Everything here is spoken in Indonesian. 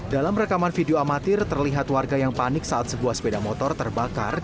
dalam rekaman video amatir terlihat warga yang panik saat sebuah sepeda motor terbakar